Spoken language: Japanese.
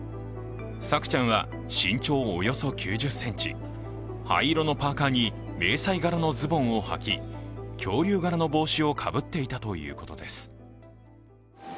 朔ちゃんは身長およそ９０ｃｍ、灰色のパーカーに迷彩柄のズボンを履き、恐竜柄の帽子をかぶっていたということです。